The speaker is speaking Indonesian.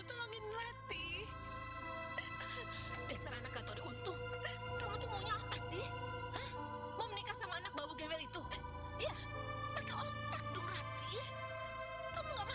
kamu harus menikah dengan prayuga